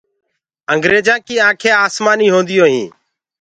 انگيرجآن ڪي آنکينٚ آسمآني هونديو هينٚ۔